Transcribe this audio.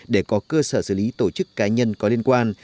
để có cơ sở xử lý tổ chức cá nhân có liên quan